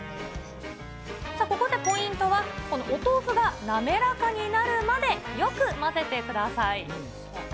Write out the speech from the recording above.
ここでポイントは、このお豆腐が滑らかになるまでよく混ぜてください。